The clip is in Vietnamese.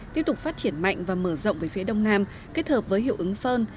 tiếp tục phát triển mạnh và mở rộng về phía đông nam kết hợp với hiệu ứng phơn